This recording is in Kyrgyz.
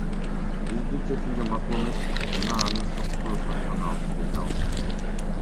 Биз бул чечимге макул эмеспиз жана аны сотто даттанабыз, — деди ал.